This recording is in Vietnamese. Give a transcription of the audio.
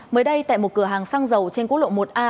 mới đây tại một cửa hàng xăng dầu trên quốc lộ một a